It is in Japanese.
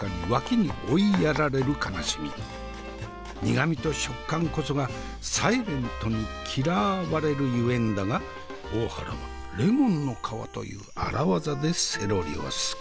苦味と食感こそがサイレントにキラーわれる由縁だが大原はレモンの皮という荒技でセロリを救う。